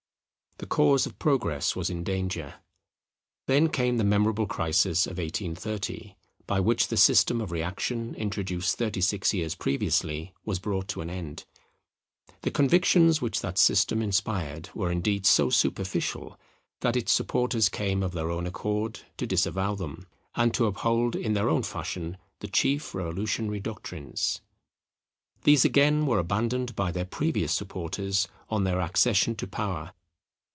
The cause of Progress was in danger. Then came the memorable crisis of 1830, by which the system of reaction, introduced thirty six years previously, was brought to an end. The convictions which that system inspired were indeed so superficial, that its supporters came of their own accord to disavow them, and to uphold in their own fashion the chief revolutionary doctrines. These again were abandoned by their previous supporters on their accession to power.